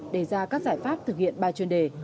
đề ra các giải pháp thực hiện ba chuyên đề